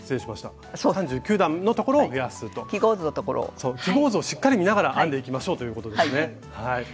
そう記号図をしっかり見ながら編んでいきましょうということですね。